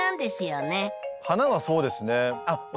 花はそうですね。